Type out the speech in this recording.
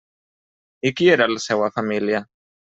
I qui era la seua família?